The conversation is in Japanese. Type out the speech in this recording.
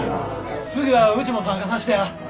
次はうちも参加さしてや！